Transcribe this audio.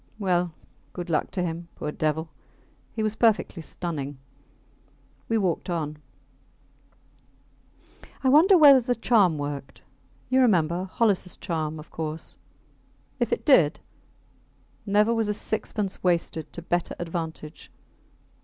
Well, good luck to him, poor devil! He was perfectly stunning. We walked on. I wonder whether the charm worked you remember Holliss charm, of course. If it did ... Never was a sixpence wasted to better advantage!